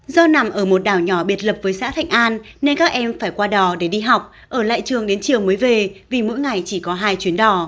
do nằm ở một đảo nhỏ biệt lập với xã thạnh an nên các em phải qua đò để đi học ở lại trường đến chiều mới về vì mỗi ngày chỉ có hai chuyến đò